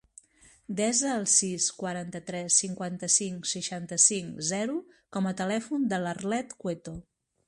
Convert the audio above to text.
Desa el sis, quaranta-tres, cinquanta-cinc, seixanta-cinc, zero com a telèfon de l'Arlet Cueto.